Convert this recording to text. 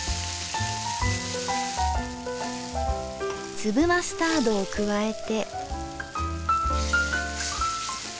粒マスタードを加えて。